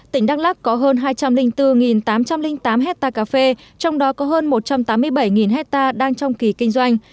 tỉnh đắk lắc có hơn hai trăm linh bốn tám trăm linh tám hectare cà phê trong đó có hơn một trăm tám mươi bảy hectare đang trong kỳ kinh doanh